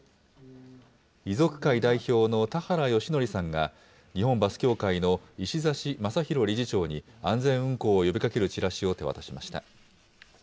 遺族会代表の田原義則さんが、日本バス協会の石指雅啓理事長に、安全運行を呼びかけるチラシを手渡しました。